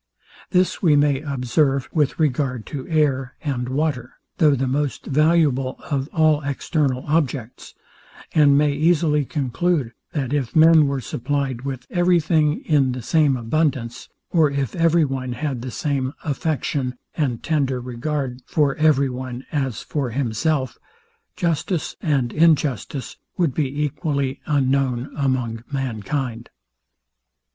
This we may observe with regard to air and water, though the most valuable of all external objects; and may easily conclude, that if men were supplied with every thing in the same abundance, or if every one had the same affection and tender regard for every one as for himself; justice and injustice would be equally unknown among mankind.